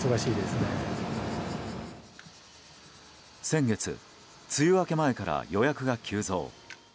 先月、梅雨明け前から予約が急増。